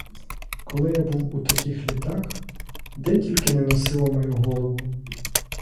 Коли я був у таких літах, де тільки не носило мою голову!